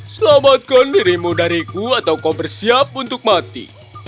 selamatkan dirimu dariku atau kau bersiap untuk mati